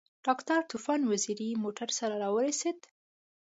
ډاکټر طوفان وزیری موټر سره راورسېد.